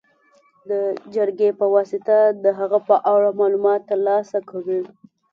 د جرګې په واسطه د هغې په اړه معلومات تر لاسه کړي.